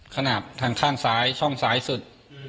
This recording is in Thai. ขนาดทางข้างซ้ายช่องซ้ายสุด